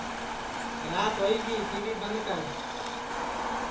راتی ہوئی گی ٹی وی بند کر